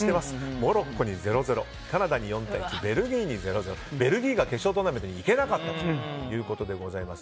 モロッコに０−０カナダに４−１ベルギーに０−０ベルギーが決勝トーナメントにいけなかったということです。